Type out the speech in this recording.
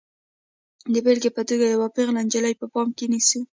د بېلګې په توګه یوه پیغله نجلۍ په پام کې نیسو.